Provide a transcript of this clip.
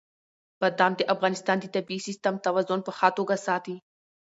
بادام د افغانستان د طبعي سیسټم توازن په ښه توګه ساتي.